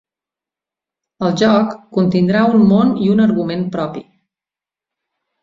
El joc contindrà un món i un argument propi.